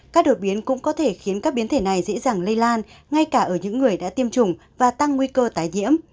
các đột biến cũng có thể khiến các biến thể này dễ dàng lây lan ngay cả ở những người đã tiêm chủng và tăng nguy cơ tái nhiễm